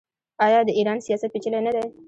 آیا د ایران سیاست پیچلی نه دی؟